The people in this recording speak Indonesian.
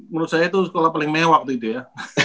menurut saya itu sekolah paling mewah gitu ya